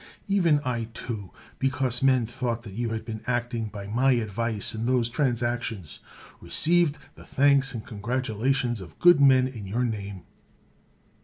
Even I, too, because men thought that you had been acting by my advice in those transactions, received the thanks and congratulations of good men in your name.